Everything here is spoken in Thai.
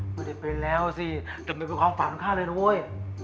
ไม่ได้เป็นแล้วสิแต่มันเป็นความฝันฆ่าเลยนะเว้ย